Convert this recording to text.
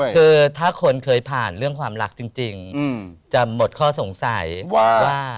คือถ้าคนเคยผ่านเรื่องความรักจริงจะหมดข้อสงสัยว่า